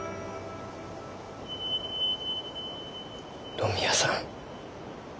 野宮さん。